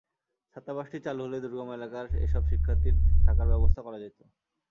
ছাত্রাবাসটি চালু হলে দুর্গম এলাকার এসব শিক্ষার্থীর থাকার ব্যবস্থা করা যেত।